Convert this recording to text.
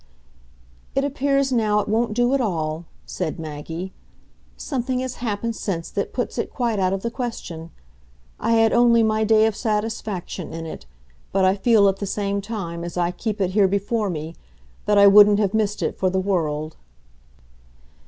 "It appears now it won't do at all," said Maggie, "something has happened since that puts it quite out of the question. I had only my day of satisfaction in it, but I feel, at the same time, as I keep it here before me, that I wouldn't have missed it for the world."